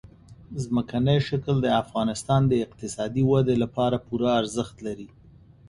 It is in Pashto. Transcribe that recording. ځمکنی شکل د افغانستان د اقتصادي ودې لپاره پوره ارزښت لري.